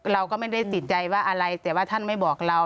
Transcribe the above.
เราก็ไม่ได้ติดใจว่าอะไรแต่ว่าท่านไม่บอกเรา